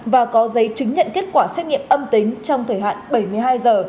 và có giấy chứng nhận kết quả xét nghiệm âm tính trong thời hạn bảy mươi hai giờ